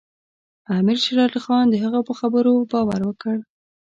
امیر شېر علي خان د هغه په خبرو باور وکړ.